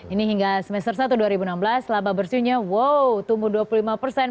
ini hingga semester satu dua ribu enam belas laba bersihnya wow tumbuh dua puluh lima persen